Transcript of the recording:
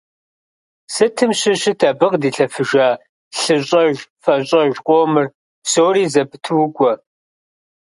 Сытым щыщыт абы къыдилъэфыжа лъыщӏэж-фэщӏэж къомыр… Псори зэпыту укӏуэ.